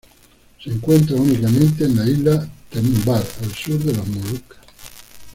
Se encuentra únicamente en las islas Tanimbar, al sur de las Molucas.